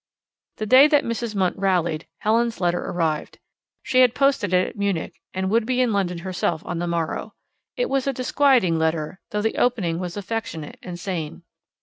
The day that Mrs. Munt rallied Helen's letter arrived. She had posted it at Munich, and would be in London herself on the morrow. It was a disquieting letter, though the opening was affectionate and sane.